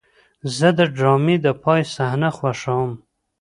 زه د ډرامې د پای صحنه خوښوم.